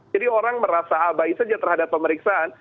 jadi orang merasa abai saja terhadap pemeriksaan